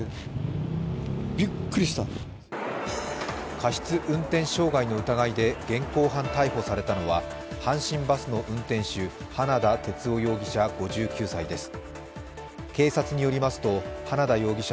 過失運転傷害の疑いで現行犯逮捕されたのは阪神バスの運転手花田哲男容疑者